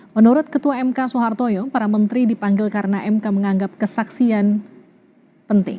menurut ketua mk soehartoyo para menteri dipanggil karena mk menganggap kesaksian penting